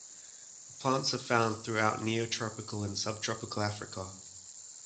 The plants are found throughout neotropical and subtropical Africa.